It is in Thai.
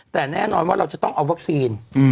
แต่แน่นอนว่าเราจะต้องเอาวัคซีน